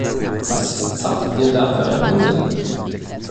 Was verzapft ihr da für einen Unsinn?